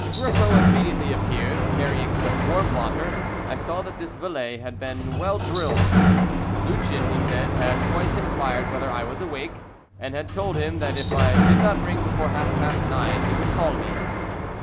Griffo immediately appeared, carrying some warm water; I saw that this valet had been well drilled. Lucien, he said, had twice inquired whether I was awake, and had told him that if I did not ring before half past nine he would call me.